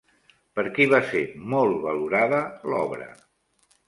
Per qui va ser molt valorada l'obra?